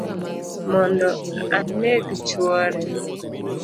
Mondo aneg chuore